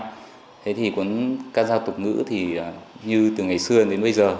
thế thì cuốn ca giao tục ngữ như từ ngày xưa đến bây giờ